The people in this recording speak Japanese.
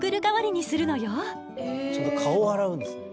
ちゃんと顔洗うんですね。